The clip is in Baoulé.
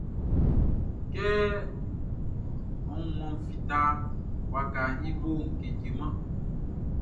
Kɛ aunmuanʼn fitaʼn, wakaʼn i boʼn kejeman.